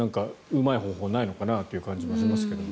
うまい方法はないのかなという感じがしますけど。